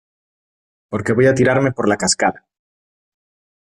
porque voy a tirarme por la cascada.